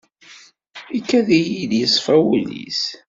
Ikad-iyi-d yeṣfa wul-is.